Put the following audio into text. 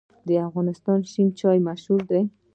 د افغانستان شین چای مشهور دی